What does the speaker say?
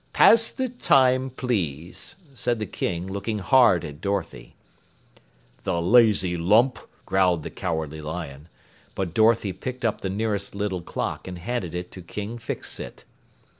"Pass the time, please," said the King, looking hard at Dorothy. "The lazy lump!" growled the Cowardly Lion. But Dorothy picked up the nearest little clock and handed it to King Fix Sit.